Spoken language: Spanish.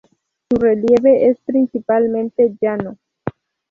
Su relieve es principalmente llano.